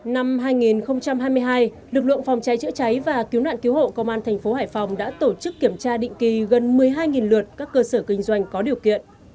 năm hai nghìn hai mươi hai lực lượng phòng cháy chữa cháy và cứu nạn cứu hộ công an thành phố hải phòng đã tổ chức kiểm tra định kỳ gần một mươi hai lượt các cơ sở kinh doanh có điều kiện